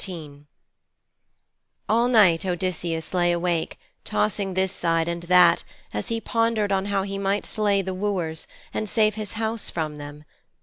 XIII All night Odysseus lay awake, tossing this side and that, as he pondered on how he might slay the wooers, and save his house from them.